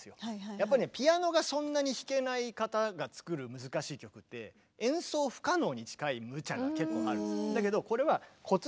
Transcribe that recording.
やっぱりねピアノがそんなに弾けない方が作る難しい曲って演奏不可能に近いむちゃが結構ある。